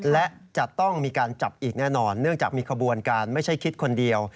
และจะต้องมีการจับอีกแน่นอนเนื่องจากมีขบวนการไม่ใช่คิดคนเดียว